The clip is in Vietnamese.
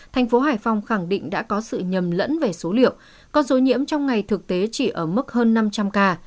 thành phố hải phòng khẳng định đã có sự nhầm lẫn về số liệu con số nhiễm trong ngày thực tế chỉ ở mức hơn năm trăm linh ca